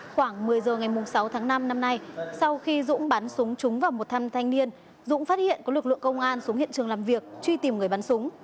khoảng một mươi giờ ngày sáu tháng năm năm nay sau khi dũng bắn súng trúng vào một thanh niên dũng phát hiện có lực lượng công an xuống hiện trường làm việc truy tìm người bắn súng